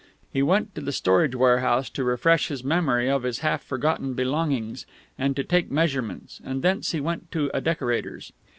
He went to the storage warehouse to refresh his memory of his half forgotten belongings, and to take measurements; and thence he went to a decorator's.